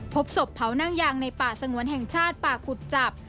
พบศพเผานั่งยางในป่าสงวนแห่งชาติป่ากุจจับ